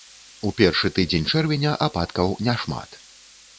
У першы тыдзень чэрвеня ападкаў не шмат.